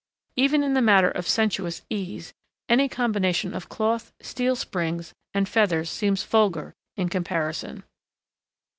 Even in the matter of sensuous ease, any combination of cloth, steel springs, and feathers seems vulgar in comparison.